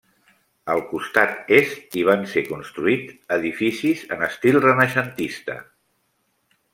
Al costat est hi van ser construïts edificis en estil renaixentista.